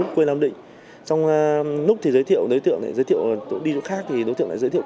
trong lúc thì giới thiệu đối tượng này giới thiệu đi chỗ khác thì đối tượng lại giới thiệu